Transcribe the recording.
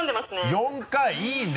４回いいね！